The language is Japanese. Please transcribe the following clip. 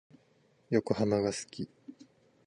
横浜が好き。